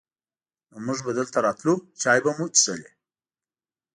نو مونږ به دلته راتلو، چای به مو چښلې.